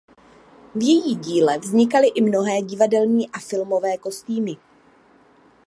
V její dílně vznikaly i mnohé divadelní a filmové kostýmy.